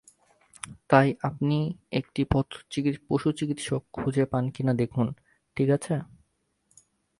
তাই আপনি একটি পশুচিকিৎসক খুঁজে পান কিনা দেখুন ঠিক আছে।